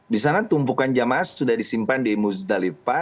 di sana tumpukan jemaah sudah disimpan di bustalifah